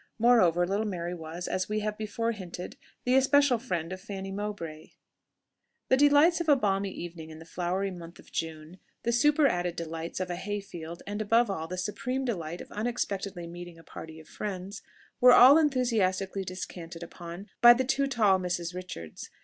Moreover, little Mary was, as we have before hinted, the especial friend of Fanny Mowbray. The delights of a balmy evening in the flowery month of June the superadded delights of a hay field, and above all, the supreme delight of unexpectedly meeting a party of friends, were all enthusiastically descanted upon by the two tall Misses Richards.